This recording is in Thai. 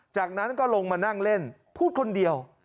จากนั้นก็ลงมานั่งเล่นพูดคนเดียว